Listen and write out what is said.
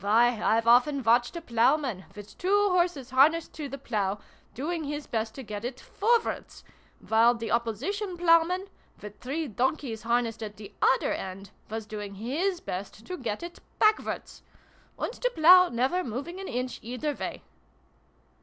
Why, I've often watched a ploughman, with two horses harnessed to the plough, doing his best to get it forwards; while the opposition ploughman, with three donkeys harnessed at the other end, was doing his best to get it backwards ! And the plough never moving an inch, either way